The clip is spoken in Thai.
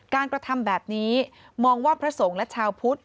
กระทำแบบนี้มองว่าพระสงฆ์และชาวพุทธ